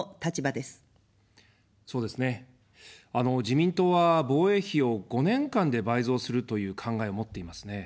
自民党は防衛費を５年間で倍増するという考えを持っていますね。